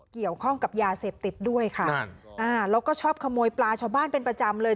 เกี่ยวข้องกับยาเสพติดด้วยค่ะอ่าแล้วก็ชอบขโมยปลาชาวบ้านเป็นประจำเลย